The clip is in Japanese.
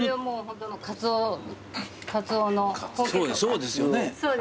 そうですよね。